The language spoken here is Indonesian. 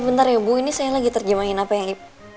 sebentar saya sedang menerjemahkan apa yang